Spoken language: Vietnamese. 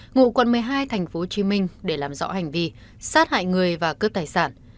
ngụ quận một mươi hai tp hcm để làm rõ hành vi sát hại người và cướp tài sản